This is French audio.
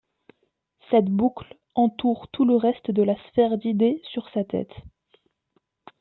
Cette boucle entoure tout le reste de la sphère d’idées sur sa tête.